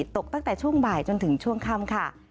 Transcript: ตกตั้งแต่ช่วงบ่ายจนถึงช่วงค่ำค่ะ